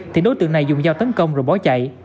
thì đối tượng này dùng dao tấn công rồi bỏ chạy